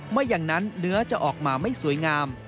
ไม่อย่างนั้นเนื้อจะออกมาไม่สวยงาม